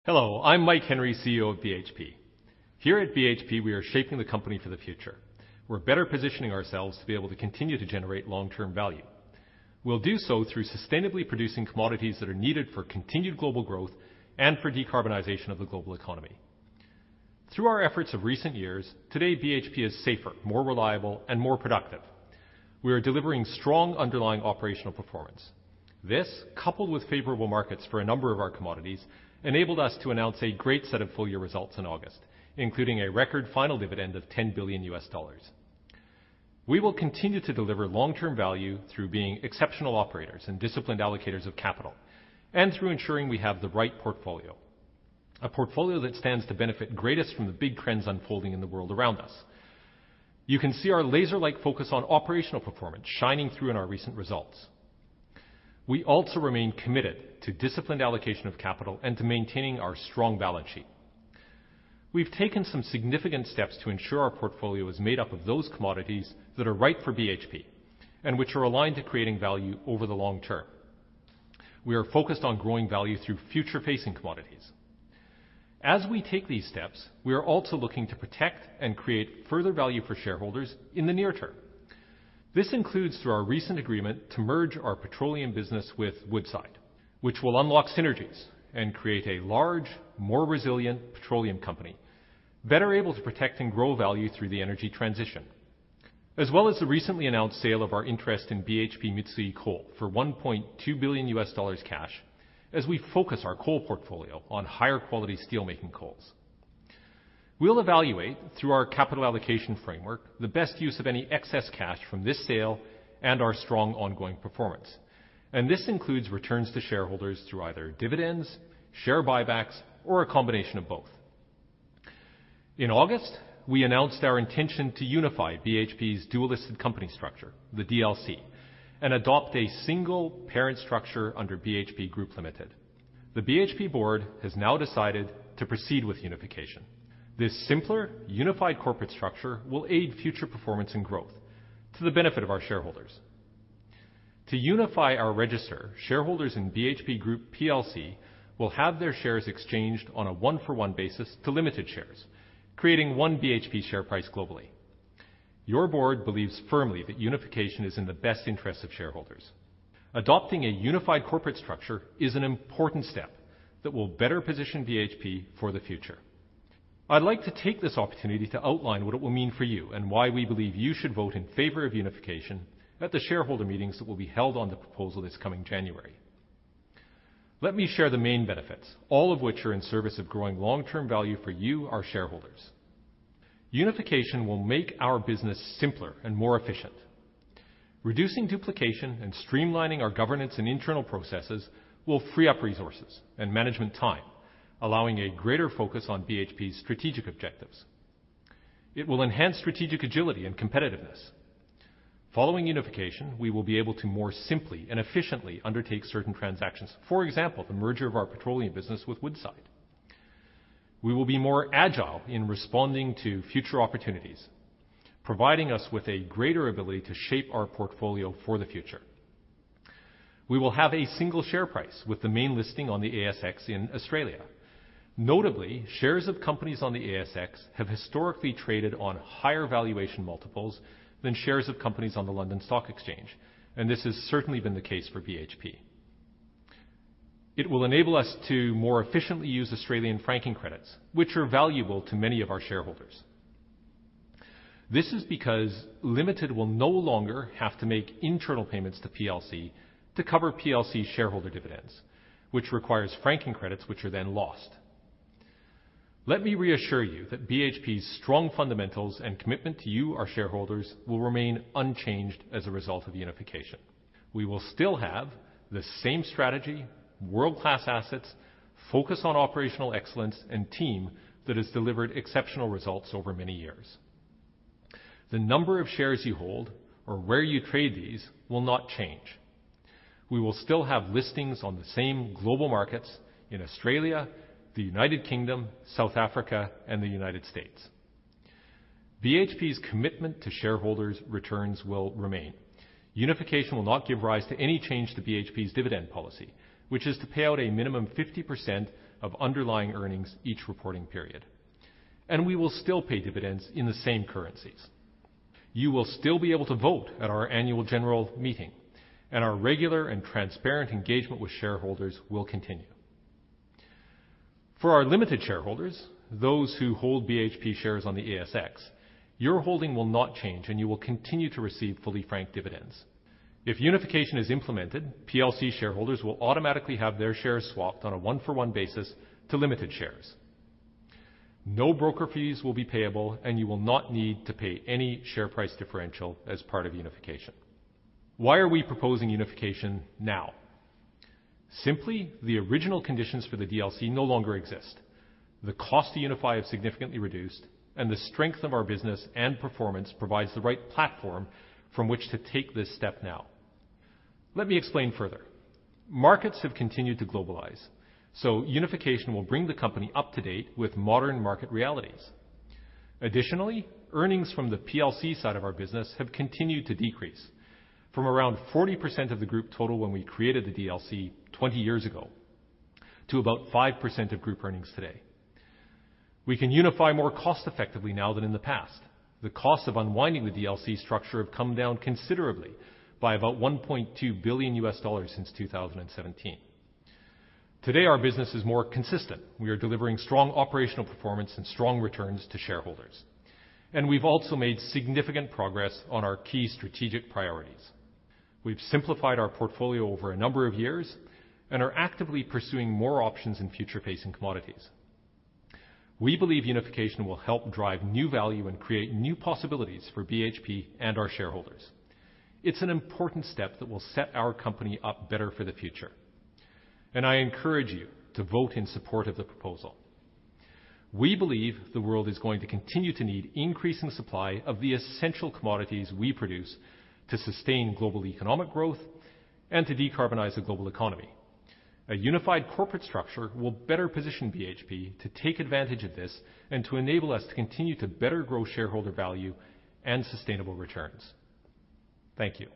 Hello, I'm Mike Henry, CEO of BHP. Here at BHP, we are shaping the company for the future. We're better positioning ourselves to be able to continue to generate long-term value. We'll do so through sustainably producing commodities that are needed for continued global growth and for decarbonization of the global economy. Through our efforts of recent years, today, BHP is safer, more reliable, and more productive. We are delivering strong underlying operational performance. This, coupled with favorable markets for a number of our commodities, enabled us to announce a great set of full-year results in August, including a record final dividend of $10 billion. We will continue to deliver long-term value through being exceptional operators and disciplined allocators of capital, and through ensuring we have the right portfolio. A portfolio that stands to benefit greatest from the big trends unfolding in the world around us. You can see our laser-like focus on operational performance shining through in our recent results. We also remain committed to disciplined allocation of capital and to maintaining our strong balance sheet. We've taken some significant steps to ensure our portfolio is made up of those commodities that are right for BHP, and which are aligned to creating value over the long term. We are focused on growing value through future-facing commodities. As we take these steps, we are also looking to protect and create further value for shareholders in the near term. This includes through our recent agreement to merge our petroleum business with Woodside, which will unlock synergies and create a large, more resilient petroleum company, better able to protect and grow value through the energy transition, as well as the recently announced sale of our interest in BHP Mitsui Coal for $1.2 billion cash, as we focus our coal portfolio on higher-quality steelmaking coals. We'll evaluate, through our capital allocation framework, the best use of any excess cash from this sale and our strong ongoing performance, and this includes returns to shareholders through either dividends, share buybacks, or a combination of both. In August, we announced our intention to unify BHP's dual-listed company structure, the DLC, and adopt a single parent structure under BHP Group Limited. The BHP board has now decided to proceed with unification. This simpler, unified corporate structure will aid future performance and growth to the benefit of our shareholders. To unify our register, shareholders in BHP Group plc will have their shares exchanged on a one-for-one basis to Limited shares, creating one BHP share price globally. Your board believes firmly that unification is in the best interest of shareholders. Adopting a unified corporate structure is an important step that will better position BHP for the future. I'd like to take this opportunity to outline what it will mean for you and why we believe you should vote in favor of unification at the shareholder meetings that will be held on the proposal this coming January. Let me share the main benefits, all of which are in service of growing long-term value for you, our shareholders. Unification will make our business simpler and more efficient. Reducing duplication and streamlining our governance and internal processes will free up resources and management time, allowing a greater focus on BHP's strategic objectives. It will enhance strategic agility and competitiveness. Following unification, we will be able to more simply and efficiently undertake certain transactions. For example, the merger of our petroleum business with Woodside. We will be more agile in responding to future opportunities, providing us with a greater ability to shape our portfolio for the future. We will have a single share price with the main listing on the ASX in Australia. Notably, shares of companies on the ASX have historically traded on higher valuation multiples than shares of companies on the London Stock Exchange, and this has certainly been the case for BHP. It will enable us to more efficiently use Australian franking credits, which are valuable to many of our shareholders. This is because Limited will no longer have to make internal payments to PLC to cover PLC shareholder dividends, which requires franking credits, which are then lost. Let me reassure you that BHP's strong fundamentals and commitment to you, our shareholders, will remain unchanged as a result of the unification. We will still have the same strategy, world-class assets, focus on operational excellence, and team that has delivered exceptional results over many years. The number of shares you hold or where you trade these will not change. We will still have listings on the same global markets in Australia, the United Kingdom, South Africa, and the United States. BHP's commitment to shareholders' returns will remain. Unification will not give rise to any change to BHP's dividend policy, which is to pay out a minimum 50% of underlying earnings each reporting period, and we will still pay dividends in the same currencies. You will still be able to vote at our annual general meeting, and our regular and transparent engagement with shareholders will continue. For our Limited shareholders, those who hold BHP shares on the ASX, your holding will not change, and you will continue to receive fully franked dividends. If unification is implemented, PLC shareholders will automatically have their shares swapped on a one-for-one basis to Limited shares. No broker fees will be payable, and you will not need to pay any share price differential as part of unification. Why are we proposing unification now? Simply, the original conditions for the DLC no longer exist. The cost to unify have significantly reduced, and the strength of our business and performance provides the right platform from which to take this step now. Let me explain further. Markets have continued to globalize, so unification will bring the company up to date with modern market realities. Additionally, earnings from the PLC side of our business have continued to decrease. From around 40% of the group total when we created the DLC 20 years ago, to about 5% of group earnings today. We can unify more cost-effectively now than in the past. The cost of unwinding the DLC structure have come down considerably by about $1.2 billion since 2017. Today, our business is more consistent. We are delivering strong operational performance and strong returns to shareholders, and we've also made significant progress on our key strategic priorities. We've simplified our portfolio over a number of years and are actively pursuing more options in future-facing commodities. We believe unification will help drive new value and create new possibilities for BHP and our shareholders. It's an important step that will set our company up better for the future, and I encourage you to vote in support of the proposal. We believe the world is going to continue to need increasing supply of the essential commodities we produce to sustain global economic growth and to decarbonize the global economy. A unified corporate structure will better position BHP to take advantage of this and to enable us to continue to better grow shareholder value and sustainable returns. Thank you